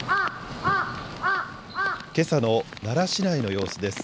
けさの奈良市内の様子です。